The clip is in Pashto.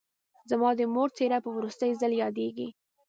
زما د مور څېره په وروستي ځل یادېږي